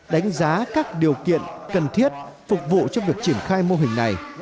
đánh giá các điều kiện cần thiết phục vụ cho việc triển khai mô hình này